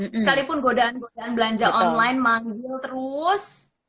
sekalipun godaan godaan belanja online manggil terus